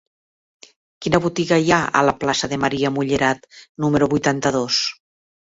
Quina botiga hi ha a la plaça de Maria Mullerat número vuitanta-dos?